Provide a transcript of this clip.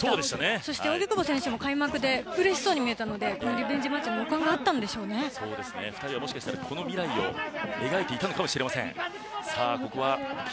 そして扇久保選手も開幕で、うれしそうに見えたのでリベンジマッチの予感が２人はもしかしたらこの未来を描いていたのかもしれません。